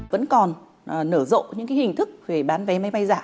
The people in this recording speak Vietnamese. vẫn còn nở rộ những hình thức về bán vé máy bay giả